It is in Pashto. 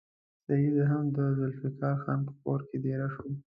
سید هم د ذوالفقار خان په کور کې دېره شو.